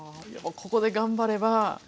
やっぱここで頑張れば。